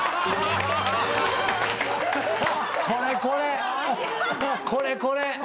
これこれ！